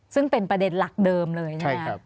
ซึ่งเป็นประเด็นหลักเดิมเลยใช่ไหมครับ